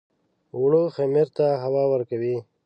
اوړه خمیر ته هوا ورکوي